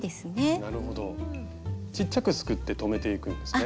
ちっちゃくすくって留めていくんですね。